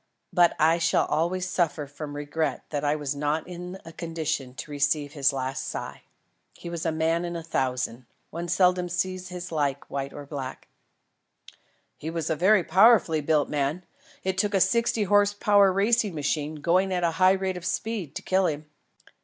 But I shall always suffer from regret that I was not in a condition to receive his last sigh. He was a man in a thousand. One seldom sees his like among white or black." "He was a very powerfully built man. It took a sixty horse power racing machine, going at a high rate of speed, to kill him."